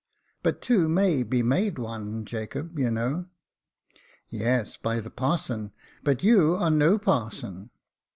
" But two may be made one, Jacob, you know." " Yes, by the parson ; but you are no parson."